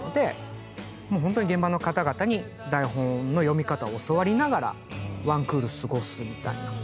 もうホントに現場の方々に台本の読み方を教わりながらワンクール過ごすみたいな。